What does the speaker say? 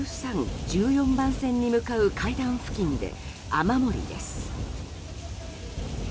番線に向かう階段付近で雨漏りです。